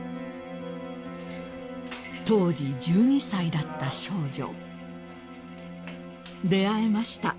［当時１２歳だった少女出会えました］